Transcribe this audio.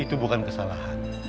itu bukan kesalahan